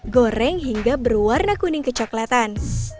goreng hingga berwarna kuning kecoklatan